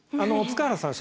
塚原さん